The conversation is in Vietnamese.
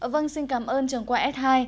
vâng xin cảm ơn trường qua s hai